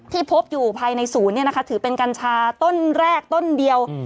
ที่พบอยู่ภายในศูนย์ถือเป็นกัญชาต้นแรกต้นเดียว